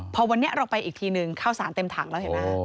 พอวันนี้เราไปอีกทีหนึ่งข้าวสารเต็มถังแล้วเห็นไหม